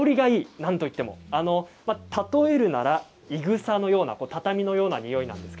なんといっても例えるなら、いぐさのような畳のような、においです。